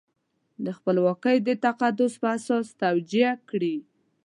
د خپلواکۍ د تقدس په اساس توجیه کړي.